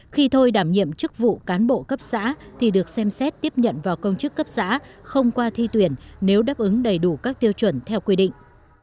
khi thôi đảm nhiệm chức vụ cán bộ cấp xã thì được xem xét tiếp nhận vào công chức cấp xã không qua thi tuyển nếu đáp ứng đầy đủ các tiêu chuẩn theo quy định